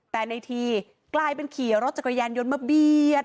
แต่ในทีกลายเป็นขี่รถจักรยานยนต์มาเบียด